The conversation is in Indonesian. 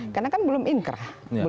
karena kan belum inkrah